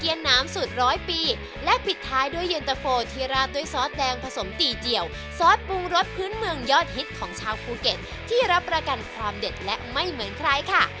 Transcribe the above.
ยะลาดด้วยซอสแดงผสมตีเจี่ยวซอสปูงรสพื้นเมืองยอดฮิตของชาวภูเก็ตที่รับรากันความเด็ดและไม่เหมือนใครค่ะ